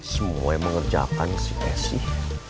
semua yang mengerjakan sih eh sih